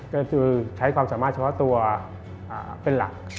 ก็คือใช้ความสามารถเฉพาะตัวเป็นหลัก